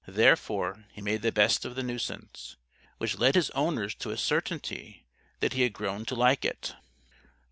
Therefore, he made the best of the nuisance. Which led his owners to a certainty that he had grown to like it.